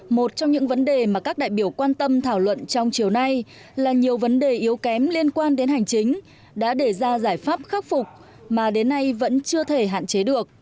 một trong những vấn đề mà các đại biểu quan tâm thảo luận trong chiều nay là nhiều vấn đề yếu kém liên quan đến hành chính đã để ra giải pháp khắc phục mà đến nay vẫn chưa thể hạn chế được